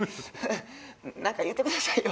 なんか言うてくださいよ。